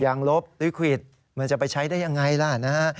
ยังลบลิควิตเหมือนจะไปใช้ได้อย่างไรล่ะนะ